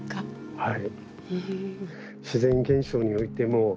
はい。